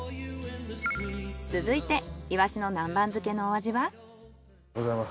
続いてイワシの南蛮漬けのお味は？